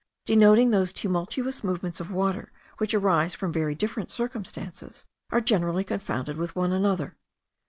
denoting those tumultuous movements of water which arise from very different circumstances, are generally confounded with one another.